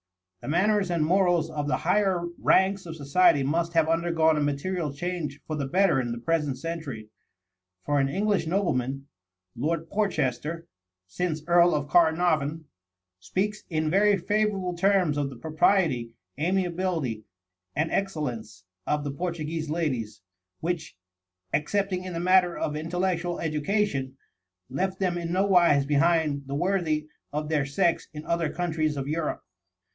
The manners and morals of the higher ranks of society must have undergone a material change for the better in the present century, for an English nobleman (Lord Porchester, since Earl of Caernarvon) speaks in very favorable terms of the propriety, amiability, and excellence of the Portuguese ladies, which, excepting in the matter of intellectual education, left them in no wise behind the worthy of their sex in other countries of Europe.